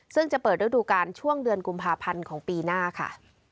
ซึ่งจะเปิดฤดูการช่วงเดือนกุมภาพันธ์ของปีหน้าค่ะ